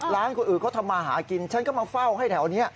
ร้านคนอื่นเขาทำมาหากินฉันก็มาเฝ้าให้แถวนี้